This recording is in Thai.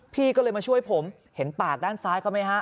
พี่ก็เลยมาช่วยผมเห็นปากด้านซ้ายเขาไหมฮะ